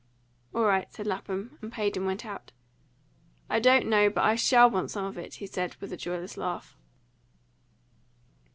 "All right," said Lapham, and paid and went out. "I don't know but I SHALL want some of it," he said, with a joyless laugh.